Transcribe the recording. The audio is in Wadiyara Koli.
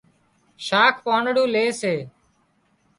شاک پانڙون لي سي